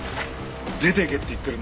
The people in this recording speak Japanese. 出てけって言ってるんだ。